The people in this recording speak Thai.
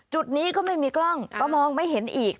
จุดนี้ก็ไม่มีกล้องก็มองไม่เห็นอีก